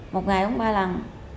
một ngày uống ba lần